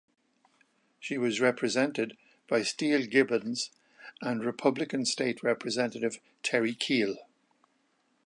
She was represented by Steve Gibbins and Republican state representative Terry Keel.